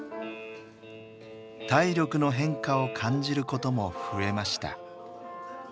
体力の変化を感じることも増えました。